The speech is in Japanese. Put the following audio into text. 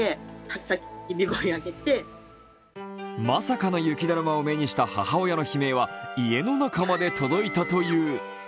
まさかの雪だるまを目にした母親の悲鳴は家の中まで届いたという。